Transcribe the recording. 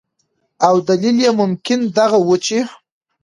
او دلیل یې ممکن دغه ؤ چې